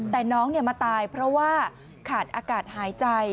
แต่น้องมาตายเพราะว่าขาดอากาศหายใจ